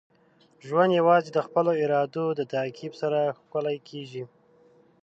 ژوند یوازې د خپلو ارادو د تعقیب سره ښکلی کیږي.